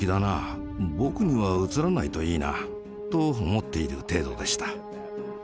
僕にはうつらないといいな」と思っている程度でした。